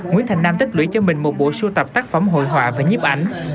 nguyễn thành nam tích lũy cho mình một bộ sưu tập tác phẩm hội họa và nhiếp ảnh